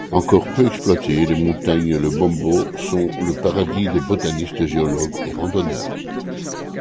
Encore peu exploitées, les montagnes Lebombo sont le paradis des botanistes, géologues et randonneurs.